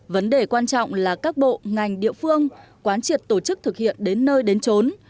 vấn đề quan trọng là các bộ ngành địa phương quán triệt tổ chức thực hiện đến nơi đến trốn